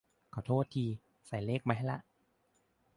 ขอโทษที ใส่เลขมาให้ละ